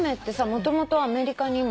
もともとアメリカにも。